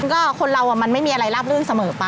ก็คนเรามันไม่มีอะไรราบรื่นเสมอไป